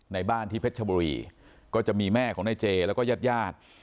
บ้านที่เพชรชบุรีก็จะมีแม่ของนายเจแล้วก็ญาติญาติ